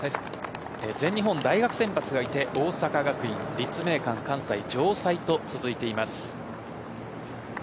全日本大学選抜がいて大阪学院、立命館関西、城西と続いています。